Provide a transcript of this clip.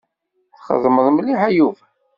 Txedmeḍ mliḥ a Yuba.